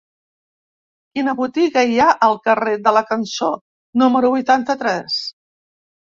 Quina botiga hi ha al carrer de la Cançó número vuitanta-tres?